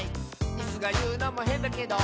「イスがいうのもへんだけど」